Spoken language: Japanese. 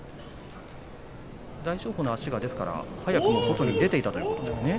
大翔鵬の足が早く外に出ていたということですね。